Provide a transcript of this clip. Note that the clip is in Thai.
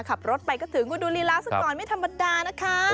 ขับรถไปก็ถึงคุณดูลีลาซะก่อนไม่ธรรมดานะคะ